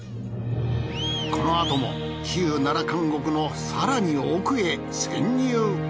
このあとも旧奈良監獄のさらに奥へ潜入。